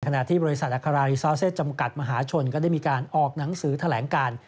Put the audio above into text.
ขณะที่บริษัทอัครารีซาเซตจำกัดมหาชนก็ได้มีการออกหนังสือแถลงการ